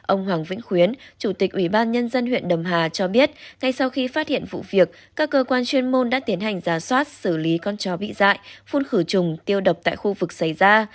ông hoàng vĩnh khuyến chủ tịch ủy ban nhân dân huyện đầm hà cho biết ngay sau khi phát hiện vụ việc các cơ quan chuyên môn đã tiến hành ra soát xử lý con chó bị dạy phun khử trùng tiêu độc tại khu vực xảy ra